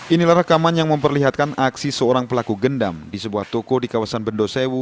inilah rekaman yang memperlihatkan aksi seorang pelaku gendam di sebuah toko di kawasan bendosewu